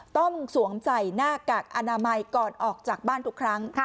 สวมใส่หน้ากากอนามัยก่อนออกจากบ้านทุกครั้ง